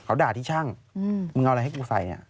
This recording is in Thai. เขาด่าที่ช่างมึงเอาอะไรให้กูใส่